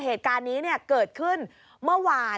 เหตุการณ์นี้เกิดขึ้นเมื่อวาน